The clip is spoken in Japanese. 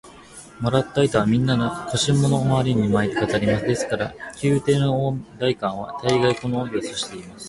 もらった糸は、みんな腰のまわりに巻いて飾ります。ですから、宮廷の大官は大がい、この帯をしています。